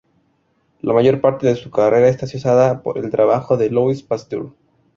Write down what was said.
La mayor parte de su carrera está asociada con el trabajo de Louis Pasteur.